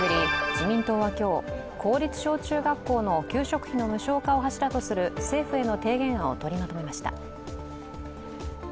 自民党は今日、公立小中学校の給食費の無償化を柱とする政府への提言案を取りまとめました。